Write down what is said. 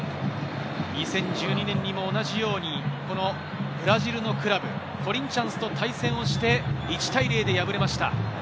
２０１２年にも同じようにブラジルのクラブ、コリンチャンスと対戦をして、１対０で敗れました。